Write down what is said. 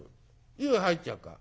湯入っちゃうか？